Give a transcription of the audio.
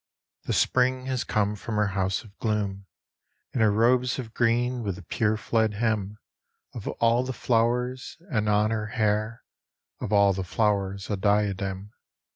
The Spring has come from her house of gloom, In her robes of green with the purfled hem Of all the flowers, and on her hair Of all the flowers a diadem.